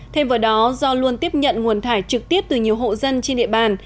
thêm vào đó do luôn tiếp nhận nguồn thải trực tiếp từ nhiều hộ dân trên địa bàn